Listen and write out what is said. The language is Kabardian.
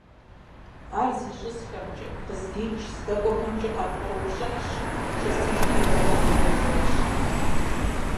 Ар зищӀысхэмкӀэ, къыздикӀ, здэкӀуэхэмкӀэ къапкърыупщӀыхьщ, шэсыжри и гъуэгу теувэжащ.